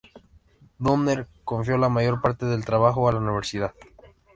Donner confió la mayor parte del trabajo a la universidad.